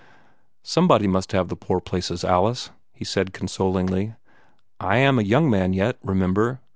"Somebody must have the poor places, Alice," he said consolingly. "I am a young man yet, remember.